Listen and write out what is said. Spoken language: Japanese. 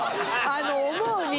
あの思うに。